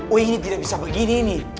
wih ini tidak bisa begini nih